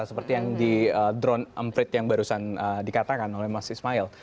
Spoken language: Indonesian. seperti yang di drone emprit yang barusan dikatakan oleh mas ismail